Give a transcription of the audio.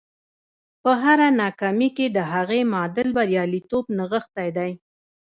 په هره ناکامي کې د هغې معادل برياليتوب نغښتی دی.